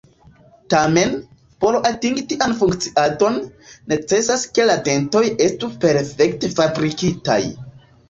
Tamen, por atingi tian funkciadon, necesas ke la dentoj estu perfekte fabrikitaj.